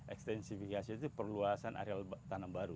extensifikasi itu perluasan area tanam baru